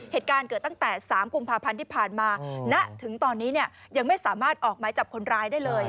เหตุการณ์เกิดตั้งแต่๓กุมภาพันธ์ที่ผ่านมาณถึงตอนนี้ยังไม่สามารถออกไม้จับคนร้ายได้เลย